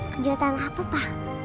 kejutan apa papa